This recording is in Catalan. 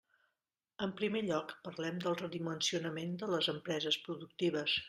En primer lloc, parlem del redimensionament de les empreses productives.